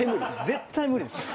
絶対無理ですね。